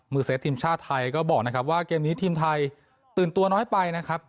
เซฟทีมชาติไทยก็บอกนะครับว่าเกมนี้ทีมไทยตื่นตัวน้อยไปนะครับ